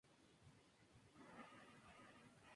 Durante la administración parroquial del Pbro.